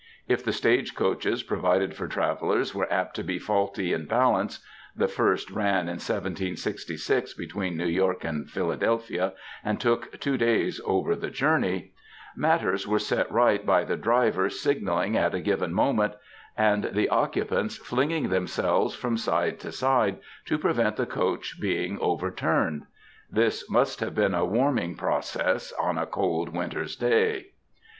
If the stage coaches provided for travellers were apt to be faulty in balance ŌĆö the first ran in 1766 between New York and Philadelphia, and took two days over the journey ŌĆö matters were set right by the driver signalling at a given moment, and the occupants flinging themselves from side to AMERICAN WOMEN 286 side to prevent the coach being overturned. This must have been a warming process on a cold winter''s day.